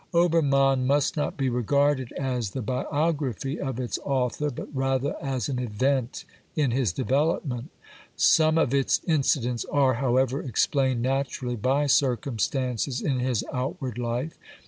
Obermann must not be regarded as the biography of its author, but rather as an event in his development. Some of its incidents are, how ever, explained naturally by circumstances in his outward life.